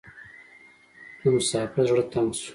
د مسافر زړه تنګ شو .